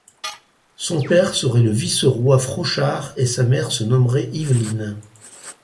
Son père serait le vice-roi Frochard et sa mère se nommerait Iveline.